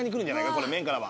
これ麺からは。